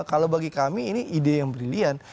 kalau bagi kami ini ide yang brilian